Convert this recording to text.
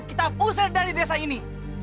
kita pusir dari desa ini